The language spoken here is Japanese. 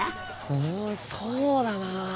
うんそうだな。